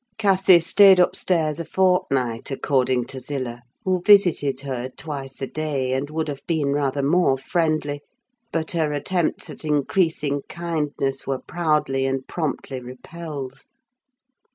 '" Cathy stayed upstairs a fortnight, according to Zillah; who visited her twice a day, and would have been rather more friendly, but her attempts at increasing kindness were proudly and promptly repelled.